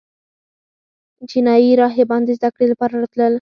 چینایي راهبان د زده کړې لپاره راتلل